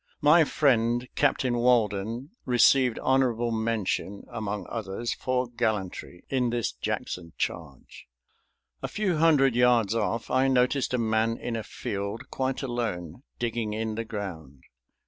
My friend Captain Walden received honorable mention, among others, for gallantry in this Jackson charge. A few hundred yards off I noticed a man in a field quite alone, digging in the ground.